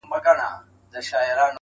د خدای د نور نه جوړ غمی ي خو غمی نه يمه~